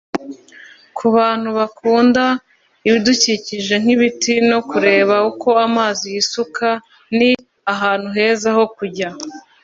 Ku bantu bakunda ibidukikije nk’ibiti no kureba uko amazi yisuka ni ahantu heza ho kujya